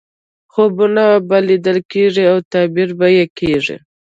خوبونه به لیدل کېږي او تعبیر به یې کېږي.